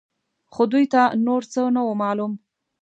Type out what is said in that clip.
خو دوی ته نور څه نه وو معلوم.